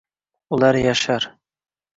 Ular yashar